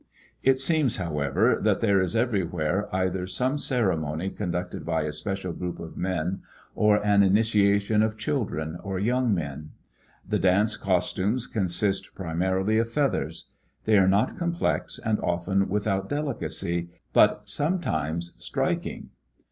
It seems however that there is everywhere either some ceremony conducted by a special group of men or an initiation of children or young men. The dance costumes consist primarily of feathers. They are not complex and often without delicacy, but sometimes striking.